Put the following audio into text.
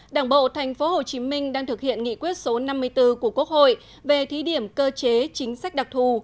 đảng bộ tp hcm đang thực hiện nghị quyết số năm mươi bốn của quốc hội về thí điểm cơ chế chính sách đặc thù